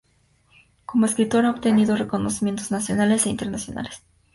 Como escritora ha obtenido reconocimientos nacionales e internacionales.